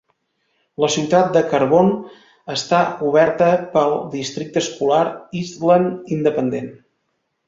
La ciutat de Carbon està coberta pel districte escolar Eastland Independent.